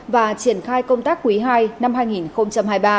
và triển khai công tác quý ii năm hai nghìn hai mươi ba